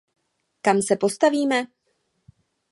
Kam se postavíme?